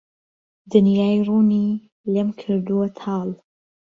دنیای روونی لێم کردووه تاڵ